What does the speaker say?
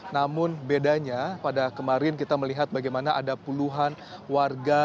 namun bedanya pada kemarin kita melihat bagaimana ada puluhan warga